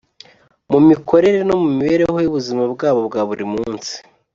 mu mikorere no mu mibereho y’ubuzima bwabo bwa buri munsi.